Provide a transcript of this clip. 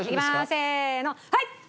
せーのはい！